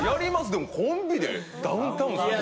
でもコンビでダウンタウンさん。